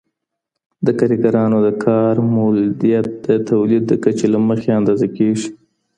د کارګرانو د کار مؤلديت د توليد د کچې له مخې اندازه کيږي.